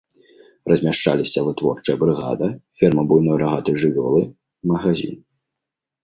Размяшчаліся вытворчая брыгада, ферма буйной рагатай жывёлы, магазін.